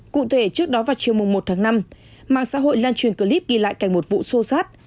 cụ thể trước đó vào chiều một tháng năm mạng xã hội lan truyền clip ghi lại cảnh một vụ xô xát